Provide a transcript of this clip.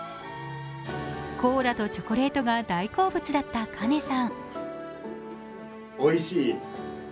コーラとチョコレートが大好物だったカ子さん。